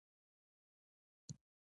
آیا د تقاعد صندوقونه ډیرې پیسې نلري؟